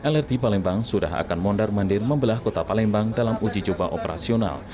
lrt palembang sudah akan mondar mandir membelah kota palembang dalam uji coba operasional